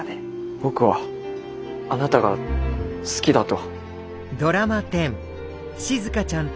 僕はあなたが好きだと。